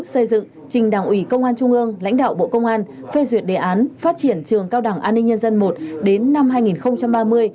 xây dựng trình đảng ủy công an trung ương lãnh đạo bộ công an phê duyệt đề án phát triển trường cao đẳng an ninh nhân dân i đến năm hai nghìn ba mươi